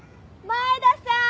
前田さん？